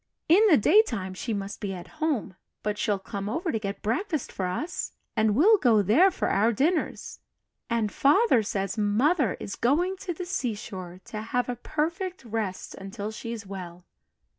In the daytime, she must be at home; but she'll come over to get breakfast for us, and we'll go there for our dinners and Father says Mother is going to the seashore to have a 'perfect rest' until she's well.